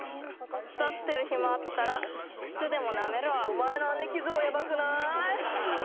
つったってる暇あったら靴でもなめろお前の姉貴像ヤバくない？